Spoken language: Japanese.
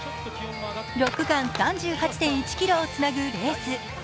６区間３８．１ｋｍをつなぐレース。